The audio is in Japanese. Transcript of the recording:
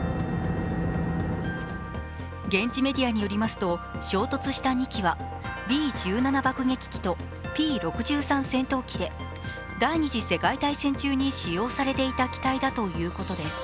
現地メディアによりますと衝突した２機はＢ−１７爆撃機とＰ−６３戦闘機で第二次世界大戦中に使用されていた機体だということです。